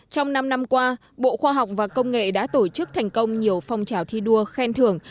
trong năm năm qua bộ khoa học và công nghệ đã tổ chức thành công nhiều phong trào thi đua khen thưởng